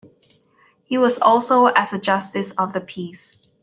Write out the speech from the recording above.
He was also as a Justice of the Peace.